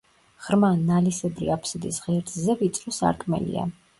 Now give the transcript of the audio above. ღრმა, ნალისებრი აფსიდის ღერძზე ვიწრო სარკმელია.